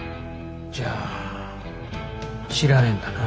じゃあ知らねえんだな。